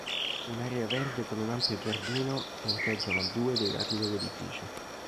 Un'area verde con un ampio giardino fiancheggiano due dei lati dell'edificio.